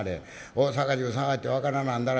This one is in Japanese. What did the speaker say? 大阪中捜して分からなんだら